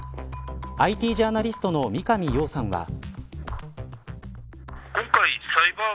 ＩＴジャーナリストの三上洋さんは。